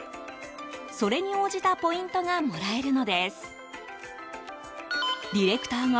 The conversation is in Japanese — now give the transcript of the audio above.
それに応じたポイントがもらえるのです。